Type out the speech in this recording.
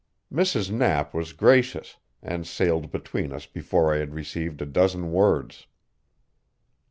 Mrs. Knapp was gracious, and sailed between us before I had received a dozen words.